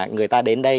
người ta đến đây